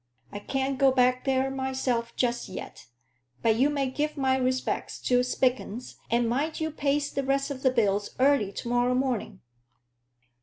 I can't go back there myself just yet; but you may give my respects to Spilkins, and mind you paste the rest of the bills early to morrow morning."